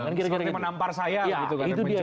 seperti menampar saya gitu kan